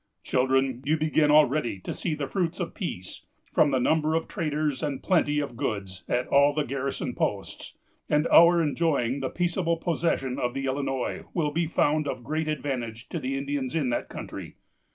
"Children, you begin already to see the fruits of peace, from the number of traders and plenty of goods at all the garrisoned posts; and our enjoying the peaceable possession of the Illinois will be found of great advantage to the Indians in that country.